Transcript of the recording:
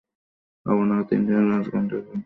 আপনারা তিনজন রাজনগর যাবেন।